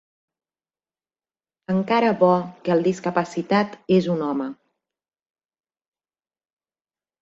Encara bo que el discapacitat és un home.